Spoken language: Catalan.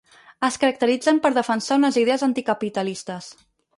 Es caracteritzen per defensar unes idees anticapitalistes.